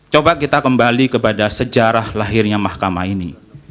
coba kita kembali kepada sejarah lahirnya mahkamah ini